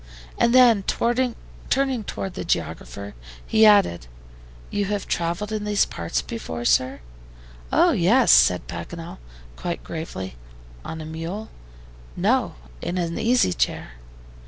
And then, turning toward the geographer, he added: "You have traveled in these parts before, sir?" "Oh, yes," said Paganel, quite gravely. "On a mule?" "No, in an easy chair."